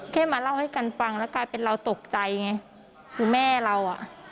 แค่มาเล่าให้กันฟังแล้วกลายเป็นเราตกใจไงคือแม่เราอ่ะ